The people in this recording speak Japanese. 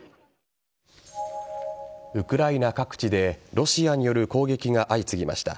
ウクライナ各地でロシアによる攻撃が相次ぎました。